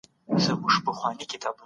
يو ځوان په کمپيوټر کي کوډ ليکي.